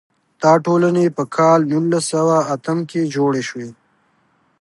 دا ټولنې په کال نولس سوه اتم کې جوړې شوې.